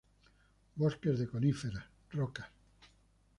Bosques de coníferas, rocas.